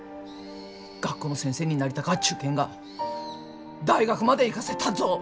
学校の先生になりたかっち言うけんが大学まで行かせたっぞ。